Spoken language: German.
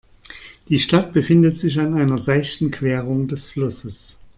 Die Stadt befindet sich an einer seichten Querung des Flusses.